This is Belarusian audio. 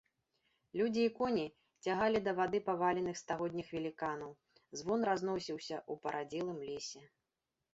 Людзі і коні цягалі да вады паваленых стагодніх веліканаў, звон разносіўся ў парадзелым лесе.